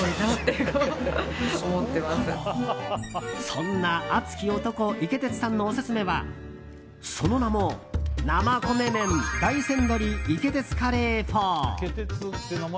そんな熱き男イケテツさんのオススメはその名も、“生”米麺大山鶏イケテツカレーフォー。